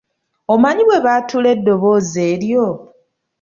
Omanyi bwe baatula eddoboozi eryo?